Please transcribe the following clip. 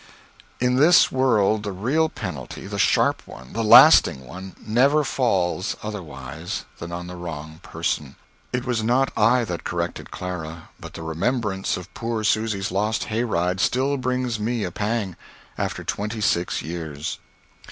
In this world the real penalty, the sharp one, the lasting one, never falls otherwise than on the wrong person. It was not I that corrected Clara, but the remembrance of poor Susy's lost hay ride still brings me a pang after twenty six years.